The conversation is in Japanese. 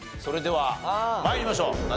それでは参りましょう。